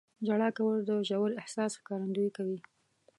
• ژړا کول د ژور احساس ښکارندویي کوي.